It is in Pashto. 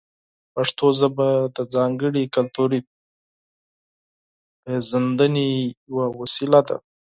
پښتو ژبه د ځانګړې کلتوري پېژندنې یوه وسیله ده.